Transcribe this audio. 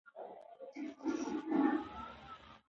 هغه د بادغيس څخه د مرغاب تر رود پورې سيمې ونيولې.